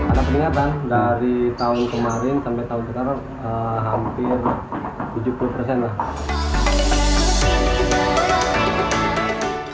ada peningatan dari tahun kemarin sampai tahun kemarin hampir tujuh puluh lah